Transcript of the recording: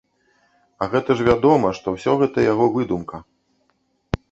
А гэта ж вядома, што ўсё гэта яго выдумка.